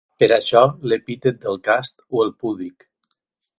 Per això l'epítet d'El Cast o el Púdic.